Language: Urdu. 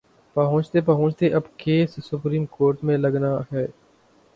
پہنچتے پہنچتے اب کیس سپریم کورٹ میں لگناہے۔